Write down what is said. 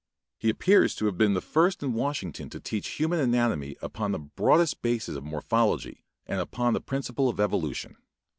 He appears to have been the first in Washington to teach human anatomy upon the broadest basis of morphology and upon the principle of evolution.